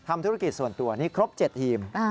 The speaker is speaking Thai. ทำธุรกิจส่วนตัวนี่ครบ๗ทีม